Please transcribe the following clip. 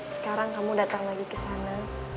sekarang kamu datang lagi ke sana